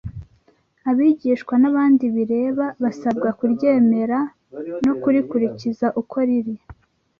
abigishwa n’abandi bireba basabwa kuryemera no kurikurikiza uko riri